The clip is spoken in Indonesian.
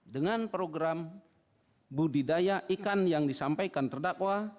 dengan program budidaya ikan yang disampaikan terdakwa